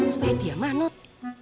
supaya dia manut